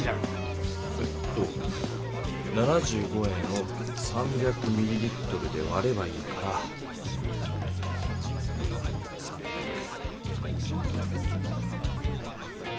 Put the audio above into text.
えっと７５円を３００ｍでわればいいから７５わる３００。